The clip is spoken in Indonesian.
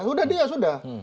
sudah dia sudah